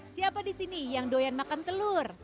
siapa di sini yang doyan makan telur